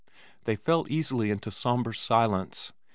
They fell easily into somber silence.